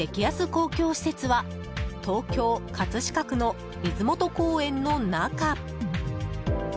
公共施設は東京・葛飾区の水元公園の中。